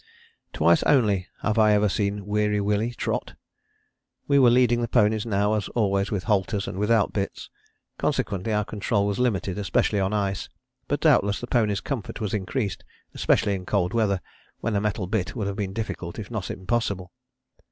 Twice only have I ever seen Weary Willie trot. We were leading the ponies now as always with halters and without bits. Consequently our control was limited, especially on ice, but doubtless the ponies' comfort was increased, especially in cold weather when a metal bit would have been difficult if not impossible.